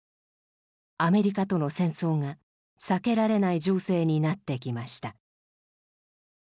アメリカとの戦争が避けられない情勢になってきました。